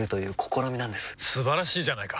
素晴らしいじゃないか！